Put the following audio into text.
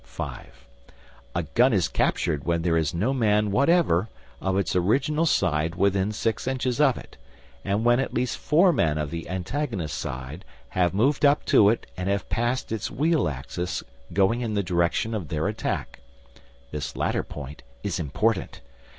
(5) A gun is captured when there is no man whatever of its original side within six inches of it, and when at least four men of the antagonist side have moved up to it and have passed its wheel axis going in the direction of their attack. This latter point is important.